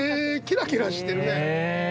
キラキラしてるね。